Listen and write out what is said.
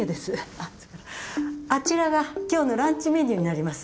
あっあちらが今日のランチメニューになります。